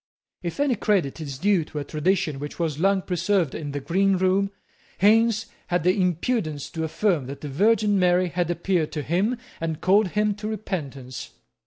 If any credit is due to a tradition which was long preserved in the green room, Haines had the impudence to affirm that the Virgin Mary had appeared to him and called him to repentance.